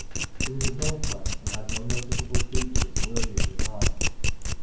It was a dull place, and had no noticeable features worthy of remark.